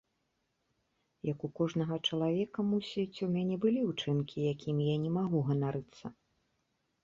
Як у кожнага чалавека, мусіць, у мяне былі ўчынкі, якімі я не магу ганарыцца.